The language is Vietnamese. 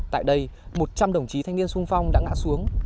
tại đây một trăm linh đồng chí thanh niên sung phong đã ngã xuống